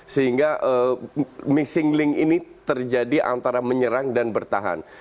sehingga miskinya ini terjadi antara menyerang dan bertahan